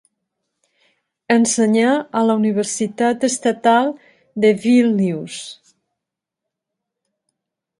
Ensenyà a la Universitat Estatal de Vílnius.